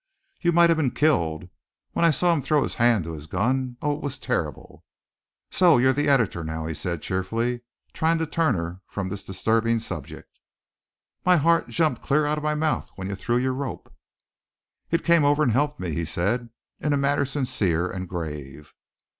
"You might have been killed! When I saw him throw his hand to his gun! Oh! it was terrible!" "So you're the editor now?" he said, cheerfully, trying to turn her from this disturbing subject. "My heart jumped clear out of my mouth when you threw your rope!" "It came over and helped me," he said, in manner sincere and grave.